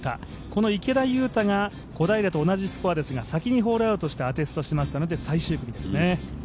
この池田勇太が、小平と同じスコアですが、先にホールアウトしたので最終組ですね。